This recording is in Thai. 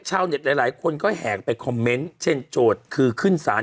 ชาวเน็ตหลายคนก็แหกไปคอมเมนต์เช่นโจทย์คือขึ้นสาร